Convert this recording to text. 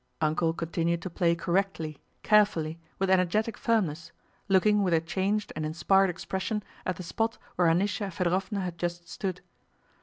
"Uncle" continued to play correctly, carefully, with energetic firmness, looking with a changed and inspired expression at the spot where Anísya Fëdorovna had just stood.